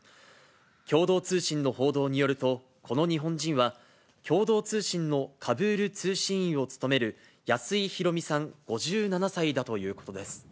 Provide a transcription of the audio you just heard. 共同通信の報道によると、この日本人は、共同通信のカブール通信員を務める安井浩美さん５７歳だということです。